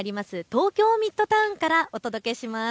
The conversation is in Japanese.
東京ミッドタウンからお届けします。